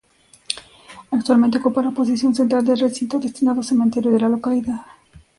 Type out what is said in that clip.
Actualmente ocupa la posición central del recinto destinado a cementerio de la localidad.